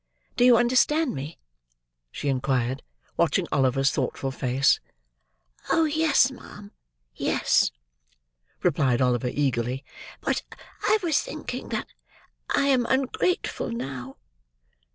Do you understand me?" she inquired, watching Oliver's thoughtful face. "Oh yes, ma'am, yes!" replied Oliver eagerly; "but I was thinking that I am ungrateful now."